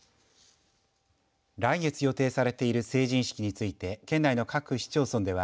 来月予定されている成人式について県内の各市町村では